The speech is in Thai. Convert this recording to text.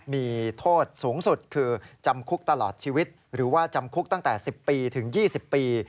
มีโทษสูงสุดคือจำคุกตลอดชีวิตหรือว่าจำคุกตั้งแต่๑๐ปีถึง๒๐ปี